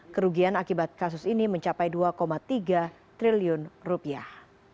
kerugian akibat kasus ini mencapai dua tiga triliun rupiah